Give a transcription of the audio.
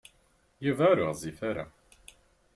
Yuba ur ɣezzif ara.